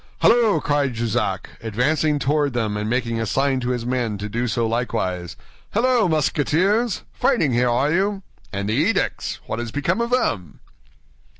"Halloo!" cried Jussac, advancing toward them and making a sign to his men to do so likewise, "halloo, Musketeers? Fighting here, are you? And the edicts? What is become of them?"